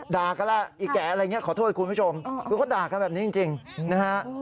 ด่ากันแล้วอีแก่อะไรอย่างนี้ขอโทษคุณผู้ชมคือเขาด่ากันแบบนี้จริงนะฮะ